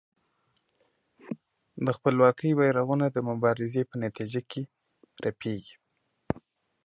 د خپلواکۍ بېرغونه د مبارزې په نتیجه کې رپېږي.